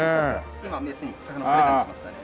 今メスに魚をプレゼントしましたね。